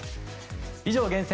以上、厳選！